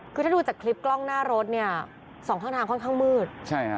คือถ้าดูจากคลิปกล้องหน้ารถเนี่ยสองข้างทางค่อนข้างมืดใช่ฮะ